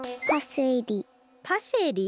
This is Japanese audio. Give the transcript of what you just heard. パセリ？